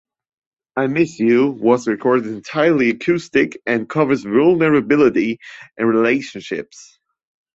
"I Miss You" was recorded entirely acoustic, and covers vulnerability in relationships.